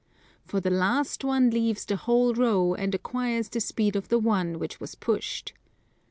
For the last one leaves the whole row and acquires the speed of the one which was pushed.